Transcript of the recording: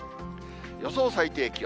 予想最低気温。